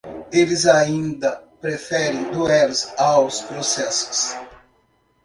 Eles ainda preferem duelos aos processos.